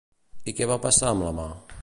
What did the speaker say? I què va passar amb la mà?